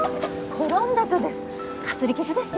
転んだとです。